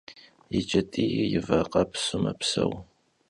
Yi ç'et'iy yi vakhepsu mepseu.